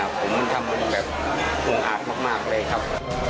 ผมมันทำมันแบบห่วงอาฆมากเลยครับ